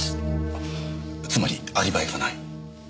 あっつまりアリバイがない。